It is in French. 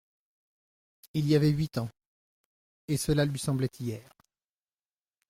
Il y avait huit ans ; et cela lui semblait hier.